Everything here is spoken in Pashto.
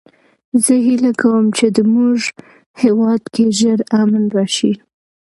زه هیله کوم چې د مونږ هیواد کې ژر امن راشي